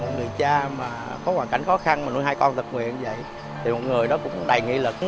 một người cha có hoàn cảnh khó khăn mà nuôi hai con tập nguyền như vậy thì một người đó cũng đầy nghị lực